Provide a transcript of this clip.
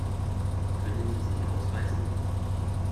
Können Sie sich ausweisen?